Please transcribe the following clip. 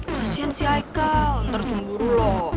kasian si aika ntar cumburu lo